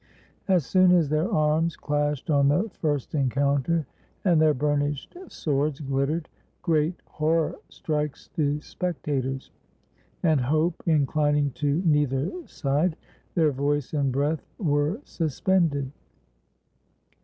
As soon as their arms clashed on the first en 263 ROME counter, and their burnished swords glittered, great hor ror strikes the spectators ; and, hope inclining to neither side, their voice and breath were suspended.